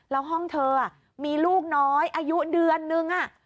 แล้วห้องเธอมีลูกน้อยอายุเดือนนึง